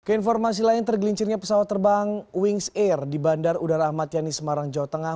keinformasi lain tergelincirnya pesawat terbang wings air di bandar udara ahmad yani semarang jawa tengah